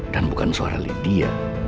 dan bukan suara lydia